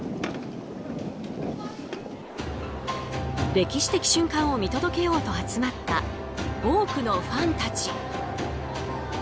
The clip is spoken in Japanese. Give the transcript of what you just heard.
歴史的瞬間を見届けようと集まった多くのファンたち。